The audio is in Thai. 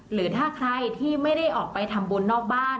หรือถ้าใครที่ไม่ได้ออกไปทำบุญนอกบ้าน